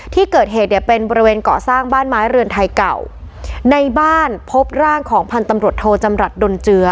ที่เกิดเหตุเนี่ยเป็นบริเวณเกาะสร้างบ้านไม้เรือนไทยเก่าในบ้านพบร่างของพันธุ์ตำรวจโทจำรัฐดนเจือ